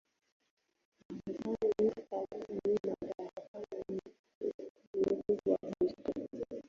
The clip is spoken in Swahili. Marekani aliye madarakani ni tukio kubwa Ndipo